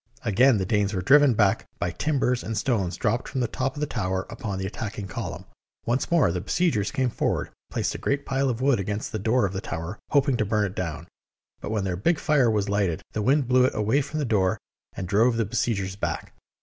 Again the Danes were driven back by timbers and stones dropped from the top of the tower upon the attacking column. Once more the besiegers came forward, placed a great pile of wood against the door of the tower, hoping to burn it down ; but when their big fire was lighted, the wind blew it away from the door and drove the besiegers back.